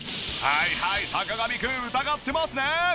はいはい坂上くん疑ってますね？